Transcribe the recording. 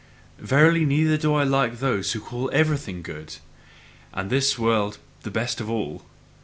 Verily, neither do I like those who call everything good, and this world the best of all.